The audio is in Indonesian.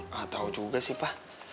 gak tau juga sih pa